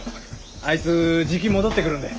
あいつじき戻ってくるんで。